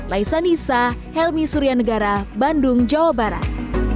laisa nisa helmi surya negara bandung jawa barat